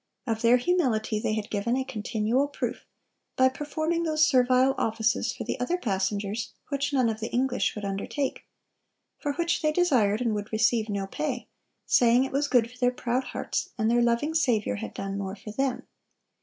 Of their humility they had given a continual proof, by performing those servile offices for the other passengers which none of the English would undertake; for which they desired and would receive no pay, saying it was good for their proud hearts, and their loving Saviour had done more for them.